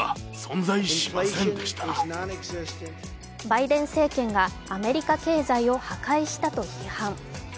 バイデン政権がアメリカ経済を破壊したと批判。